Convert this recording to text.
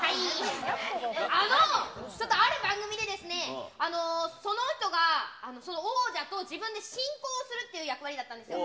あの、ちょっとある番組でですね、その人が、その王者と自分で進行をするっていう役割だったんですよ。